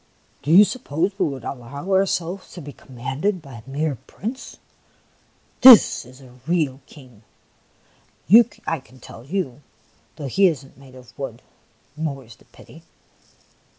" Do you suppose we would allow ourselves to be commanded by a mere Prince ? This is a real King, I can tell you, though he is n't made of wood, more 's the pity